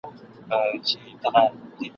د کوهي څنډي ته نه وو راختلی ..